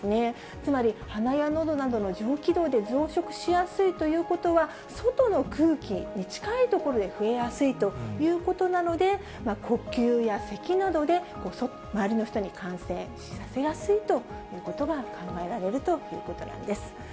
つまり鼻やのどなどの上気道で増殖しやすいということは、外の空気に近い所で増えやすいということなので、呼吸やせきなどで周りの人に感染させやすいということが考えられるということなんです。